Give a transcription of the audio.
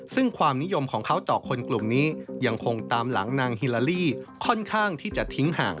ซึ่งความนิยมของเขาต่อคนกลุ่มนี้ยังคงตามหลังนางฮิลาลี่ค่อนข้างที่จะทิ้งห่าง